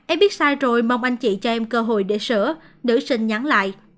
em biết sai rồi mong anh chị cho em cơ hội để sửa nữ sinh nhắn lại